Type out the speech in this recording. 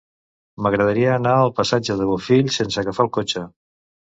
M'agradaria anar al passatge de Bofill sense agafar el cotxe.